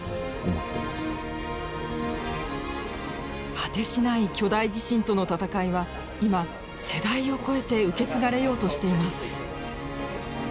果てしない巨大地震との闘いは今世代を超えて受け継がれようとしています。